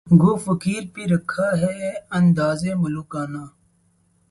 گو فقر بھی رکھتا ہے انداز ملوکانہ